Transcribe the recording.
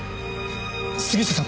杉下さん